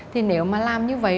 thì nếu mà làm như vậy